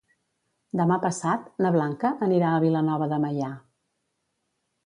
Demà passat na Blanca anirà a Vilanova de Meià.